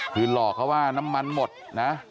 คือหลอกเขาว่าน้ำมันหมดนะ